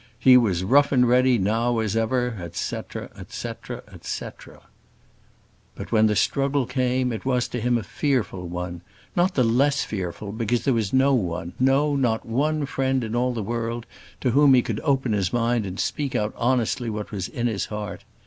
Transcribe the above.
He was rough and ready, now as ever," &c., &c. But when the struggle came, it was to him a fearful one; not the less fearful because there was no one, no, not one friend in all the world, to whom he could open his mind and speak out honestly what was in his heart.